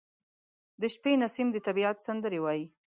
• د شپې نسیم د طبیعت سندرې وايي.